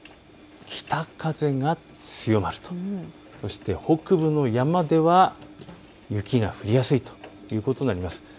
北風が強まると、そして北部の山では、雪が降りやすいということになります。